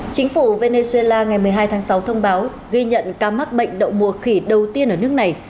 chính phủ venezuela ngày một mươi hai tháng sáu thông báo ghi nhận ca mắc bệnh đậu mùa khỉ đầu tiên ở nước này